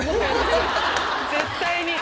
絶対に。